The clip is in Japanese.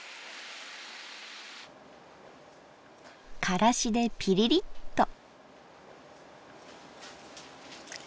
からしでピリリッと。